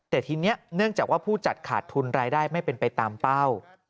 แต่ทีนี้เนื่องจากว่าผู้จัดขาดทุนรายได้ไม่เป็นไปตามเป้า